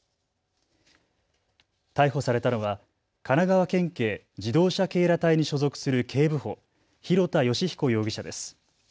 逮捕されたのは神奈川県警自動車警ら隊に所属する警部補廣田純彦容疑者です。